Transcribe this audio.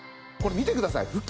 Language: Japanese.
これ見てください。